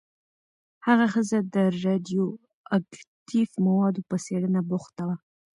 هغه ښځه د راډیواکټیف موادو په څېړنه بوخته وه.